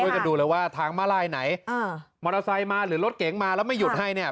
กันดูเลยว่าทางมาลายไหนอ่ามอเตอร์ไซค์มาหรือรถเก๋งมาแล้วไม่หยุดให้เนี่ย